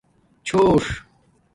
چھݸݽ